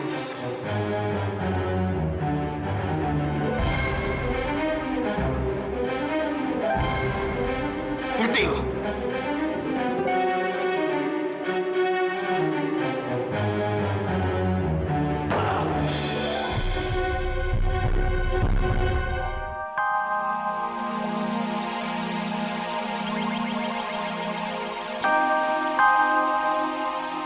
setelah kejadian ini